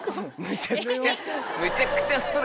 めちゃくちゃ。